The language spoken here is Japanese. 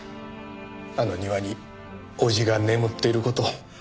あの庭に叔父が眠っている事を。